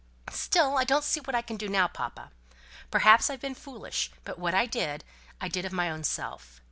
"Still, I don't see what I can do now, papa. Perhaps I've been foolish; but what I did, I did of my own self.